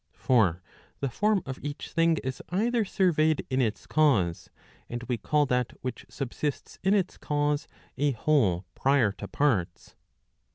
For the form of each thing is either surveyed in its cause, and we call that which subsists in its cause a whole prior to parts.